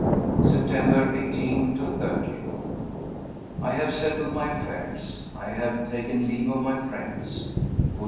September 18 30. I have settled my affairs; I have taken leave of my friends (good.